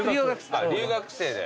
留学生で。